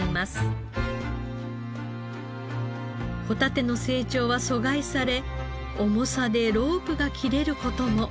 ホタテの成長は阻害され重さでロープが切れる事も。